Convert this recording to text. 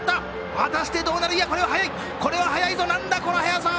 果たしてどうなる、これは速い、これは速い、なんだ、この速さは！